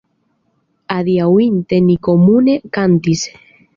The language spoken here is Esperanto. Adiaŭinte ni komune kantis.